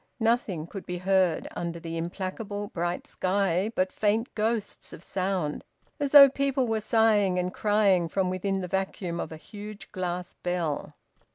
Nothing could be heard, under the implacable bright sky, but faint ghosts of sound, as though people were sighing and crying from within the vacuum of a huge glass bell.